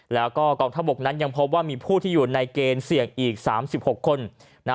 แล้วก็กองทัพบกนั้นยังพบว่ามีผู้ที่อยู่ในเกณฑ์เสี่ยงอีก๓๖คน